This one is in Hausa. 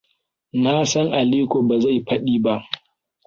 Na san Aliko ba zai faɗi ba.